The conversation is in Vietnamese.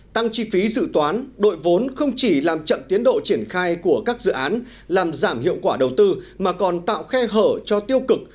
tăng chi phí dự toán đội vốn không chỉ làm chậm tiến độ triển khai của các dự án làm giảm hiệu quả đầu tư mà còn tạo khe hở cho tiêu cực